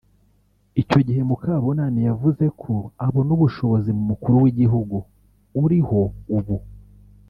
Icyo gihe Mukabunani yavuze ko abona ubushobozi mu Mukuru w’Igihugu uri ho ubu